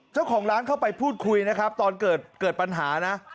เจ้าของร้านเข้าไปพูดคุยนะครับตอนเกิดปัญหานะ